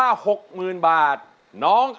เป็นเพลง